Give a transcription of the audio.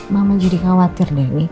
mama jadi khawatir demi